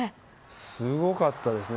すごかったですね。